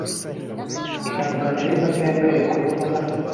Ihangane, ariko ntiwemerewe kuroba hano .